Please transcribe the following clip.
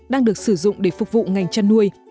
đang được sử dụng để phục vụ ngành chăn nuôi